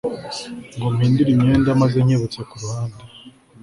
ngo mpindure imyenda maze nkebutse kuruhande